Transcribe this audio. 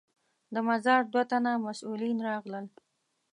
د مزار دوه تنه مسوولین راغلل.